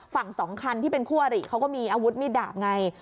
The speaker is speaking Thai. สองคันที่เป็นคู่อริเขาก็มีอาวุธมีดดาบไง